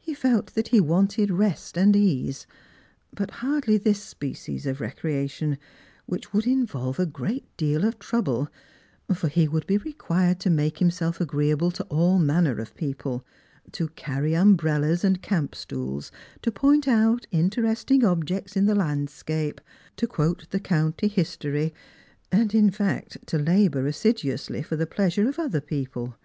He felt that he wanted rest and ease ; but hardly this species of recreation, which would involve a great deal of trouble; for he would be required to make himself agreeable to all manner of people — to carry umbrellas and camp stools ; to point out interesting objects in the land scape; to quote the county history — and, in fact, to labour assi duously for the pleasure of other people.